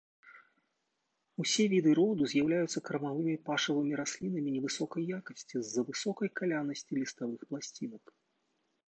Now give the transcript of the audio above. Усе віды роду з'яўляюцца кармавымі пашавымі раслінамі невысокай якасці, з-за высокай калянасці ліставых пласцінак.